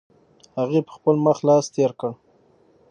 هغې په خپل مخ لاس تېر کړ.